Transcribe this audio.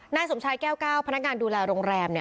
หน้าทรมชายแก้วผลักงานดูแลโรงแรมเนี่ย